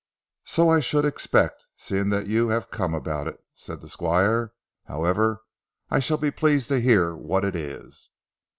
"So I should expect, seeing that you have come about it," said the Squire; "however, I shall be pleased to hear what it is."